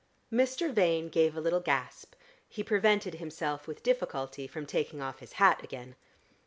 Mr. Vane gave a little gasp; he prevented himself with difficulty from taking off his hat again.